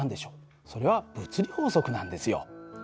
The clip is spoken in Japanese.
それは物理法則なんですよ。